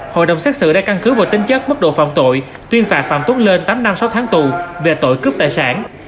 hội đồng xét xử đã căn cứ vào tính chất mức độ phạm tội tuyên phạt phạm tuấn lên tám năm sáu tháng tù về tội cướp tài sản